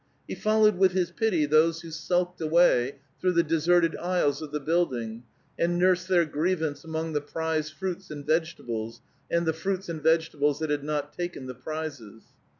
He followed with his pity those who sulked away through the deserted aisles of the building, and nursed their grievance among the prize fruits and vegetables, and the fruits and vegetables that had not taken the prizes.